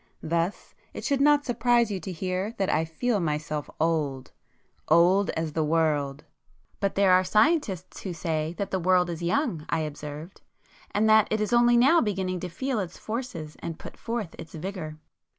Thus it should not surprise you to hear that I feel myself old,—old as the world!" "But there are scientists who say that the world is young;" I observed, "And that it is only now beginning to feel its forces and put forth its vigour."